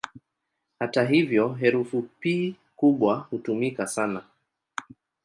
Hata hivyo, herufi "P" kubwa hutumika sana.